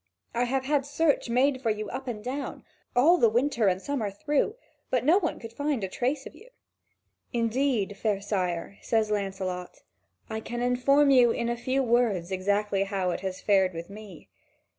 I have had search made for you up and down, all the winter and summer through, but no one could find a trace of you." "Indeed, fair sire," says Lancelot, "I can inform you in a few words exactly how it has fared with me.